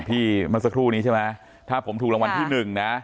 เมื่อสักครู่นี้ใช่ไหมถ้าผมถูกรางวัลที่หนึ่งนะ